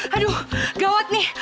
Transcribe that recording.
aduh gawat nih